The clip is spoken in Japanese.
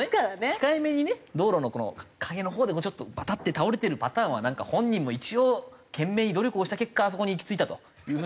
控えめにね道路の陰の方でバタッて倒れてるパターンは本人も一応懸命に努力をした結果あそこに行き着いたという風に。